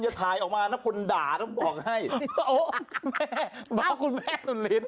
ถ้าถ่ายออกมาเราต้องหักต่อก่อนถ่ายออกมาว่าคุณด่า